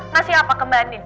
nasi apa ke mbak andin